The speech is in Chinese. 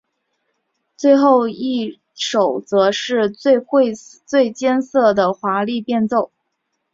最后一首则都是最艰涩的华丽变奏。